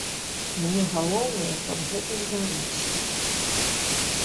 Мне галоўнае, каб гэта здарылася!